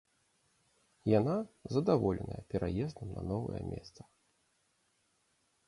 Яна задаволеная пераездам на новае месца.